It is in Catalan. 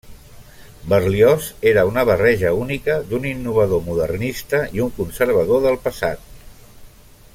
Berlioz era una barreja única d'un innovador modernista i un conservador del passat.